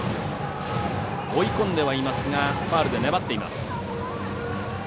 追い込んではいますがファウルで粘っています。